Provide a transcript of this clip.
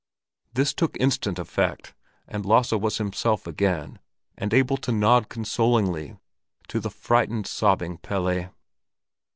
This took instant effect, and Lasse was himself again and able to nod consolingly to the frightened, sobbing Pelle.